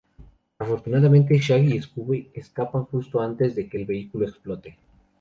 Afortunadamente, Shaggy y Scooby escapan justo antes de que el vehículo explote.